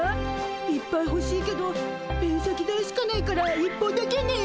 いっぱいほしいけどペン先代しかないから１本だけね。